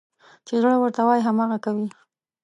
چې زړه ورته وايي، هماغه کوي.